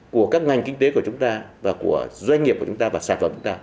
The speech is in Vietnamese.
của các ngành kinh tế của chúng ta doanh nghiệp của chúng ta và sản phẩm của chúng ta